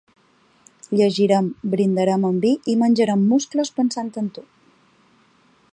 Llegirem, brindarem amb vi i menjarem musclos pensant en tu.